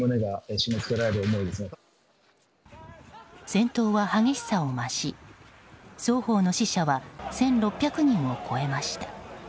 戦闘は激しさを増し双方の死者は１６００人を超えました。